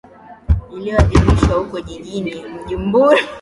ilivyo adhimishwa huko jijini bujumbura